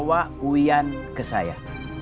bawa uyan ke saya